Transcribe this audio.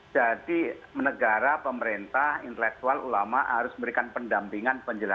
jadi negara pemerintah intelektual ulama harus memberikan pendampingan penjelasan